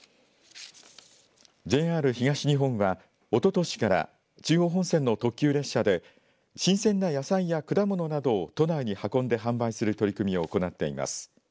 ＪＲ東日本はおととしから中央本線の特急列車で新鮮な野菜や果物などを都内に運んで販売する取り組みを行っています。